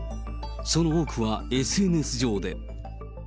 その多くはＳＮＳ上で。